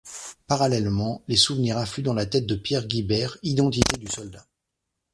Parallèlement, les souvenirs affluent dans la tête de Pierre Guibert, identité du soldat.